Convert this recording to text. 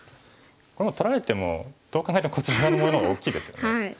これもう取られてもどう考えてもこちらのもの大きいですよね。